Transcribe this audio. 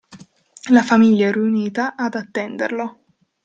La famiglia riunita ad attenderlo.